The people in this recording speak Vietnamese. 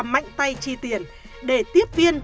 mạnh tay chi tiền để tiếp viên